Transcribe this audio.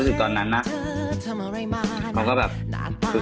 อาจใช่กระแก่เหรอ